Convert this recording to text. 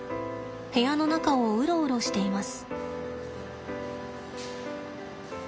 部屋の中をウロウロしています。